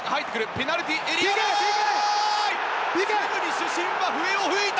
ペナルティーエリア内だ！